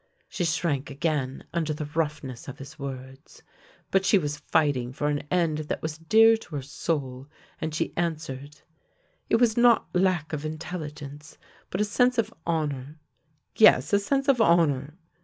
She shrank again under the roughness of his words. But she was fighting for an end that was dear to her soul, and she answered :" It was not lack of intelligence, but a sense of hon our — yes, a sense of honour!